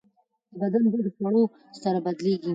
د بدن بوی د خوړو سره بدلېږي.